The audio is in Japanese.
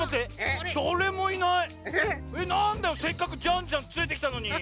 なんだよせっかくジャンジャンつれてきたのに。